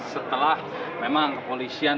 setelah memang kepolisian